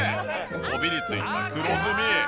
こびりついた黒ずみ。